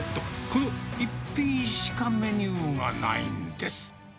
この一品しかメニューがないんです。